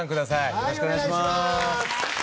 よろしくお願いします。